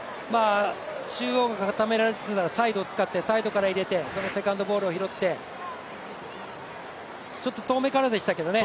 中央固められてたから、サイド使ってサイドから入れてそのセカンドボールを拾って、ちょっと遠目からでしたけどね。